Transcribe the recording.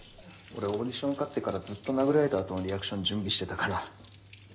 俺オーディション受かってからずっと殴られたあとのリアクション準備してたから。